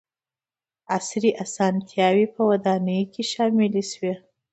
• عصري اسانتیاوې په ودانیو کې شاملې شوې.